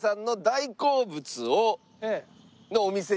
大好物のお店？